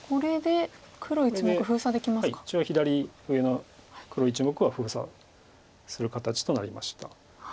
一応左上の黒１目は封鎖する形となりました。